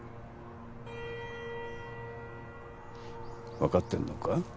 わかってんのか？